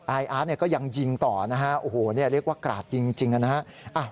อาร์ตก็ยังยิงต่อนะฮะโอ้โหเรียกว่ากราดยิงจริงนะฮะ